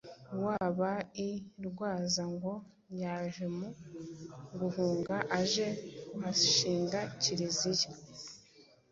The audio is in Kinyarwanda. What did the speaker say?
wabaga i Rwaza, ngo yaje mu Gahunga aje kuhashinga Kiliziya